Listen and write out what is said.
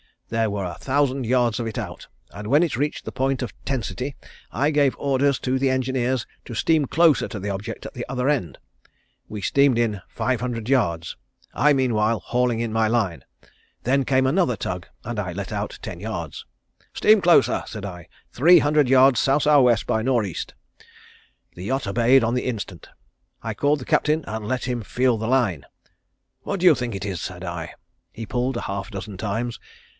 There were a thousand yards of it out, and when it reached the point of tensity, I gave orders to the engineers to steam closer to the object at the other end. We steamed in five hundred yards, I meanwhile hauling in my line. Then came another tug and I let out ten yards. 'Steam closer,' said I. 'Three hundred yards sou sou west by nor' east.' The yacht obeyed on the instant. I called the Captain and let him feel the line. 'What do you think it is?' said I. He pulled a half dozen times.